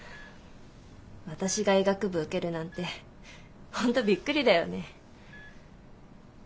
私が医学部受けるなんて本当びっくりだよね。